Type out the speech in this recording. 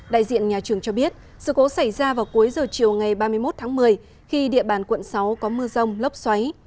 đại diện nhà trường cho biết sự cố xảy ra vào cuối giờ chiều ngày ba mươi một tháng một mươi khi địa bàn quận sáu có mưa rông lốc xoáy